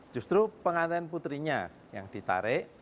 justru pengantin putrinya yang ditarik